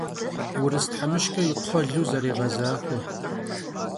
Vurıs themışç'e yi kxhuelu zerêğezaxue.